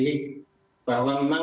saya pikir bahwa memang